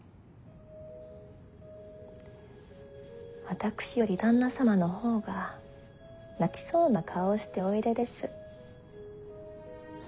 私より旦那様の方が泣きそうな顔をしておいでです。